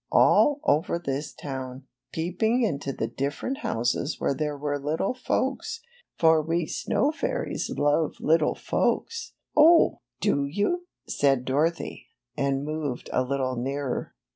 All over this town, peeping into the different houses where there were little folksy for we snow fairies love little folks." "Oh, do you?" said Dorothy, and moved a little nearer.